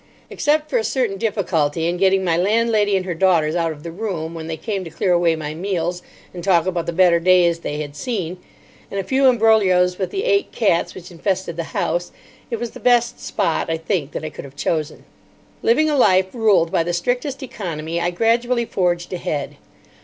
Except for a certain difficulty in getting my landlady and her daughters out of the room when they came to clear away my meals and talk about the better days they had seen, and a few imbroglios with the eight cats which infested the house, it was the best spot, I think, that I could have chosen. Living a life ruled by the strictest economy, I gradually forged ahead.